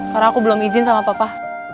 karena aku belum izin sama papa